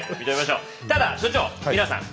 ただ所長皆さん